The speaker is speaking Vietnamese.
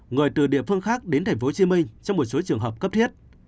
người từ địa phương khác đến tp hcm trong một số trường hợp cấp thiết